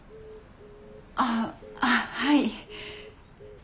あああはい。